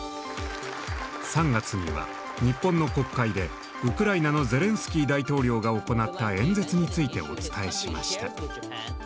３月には日本の国会でウクライナのゼレンスキー大統領が行った演説についてお伝えしました。